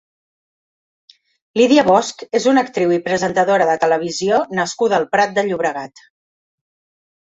Lydia Bosch és una actriu i presentadora de televisió nascuda al Prat de Llobregat.